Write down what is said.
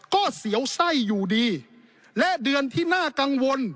ก็เสียวไส้อยู่ดีและเดือนที่น่ากังวล